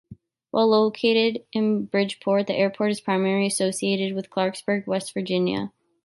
While located in Bridgeport, the airport is primarily associated with Clarksburg, West Virginia.